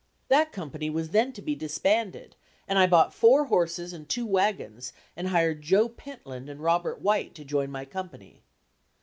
That company was then to be disbanded and I bought four horses and two wagons and hired Joe Pentland and Robert White to join my company.